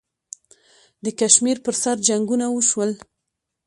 د کشمیر پر سر جنګونه وشول.